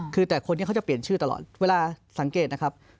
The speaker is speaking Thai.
คือแต่คนนี้เขาจะเปลี่ยนชื่อตลอดเวลาสังเกตนะครับ